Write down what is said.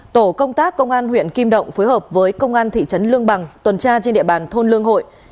tổ công tác công an huyện kim động phối hợp với công an thị trấn lương bằng tuần tra trên địa bàn thôn lương hội